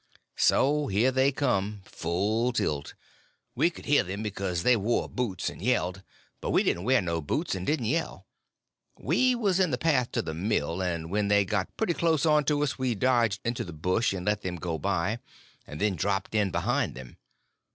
So here they come, full tilt. We could hear them because they wore boots and yelled, but we didn't wear no boots and didn't yell. We was in the path to the mill; and when they got pretty close on to us we dodged into the bush and let them go by, and then dropped in behind them.